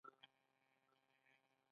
اوده واخلئ